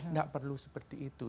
tidak perlu seperti itu